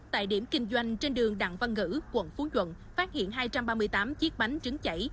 tại điểm kinh doanh trên đường đặng văn ngữ quận phú duận phát hiện hai trăm ba mươi tám chiếc bánh trứng chảy